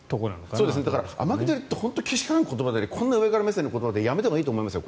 天下りってけしからん言葉で上から目線の言葉でやめたほうがいいと思います。